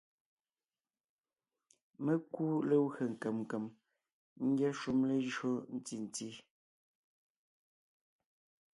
Mé kúu legwé nkèm nkèm ngyɛ́ shúm lejÿo ntí nti;